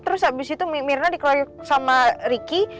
terus abis itu mirna dikeroyok sama ricky